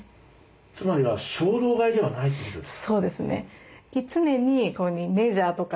つまりは衝動買いではないってことですか？